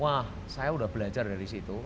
wah saya udah belajar dari situ